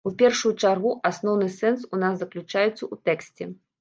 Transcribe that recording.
У першую чаргу асноўны сэнс у нас заключаецца ў тэксце.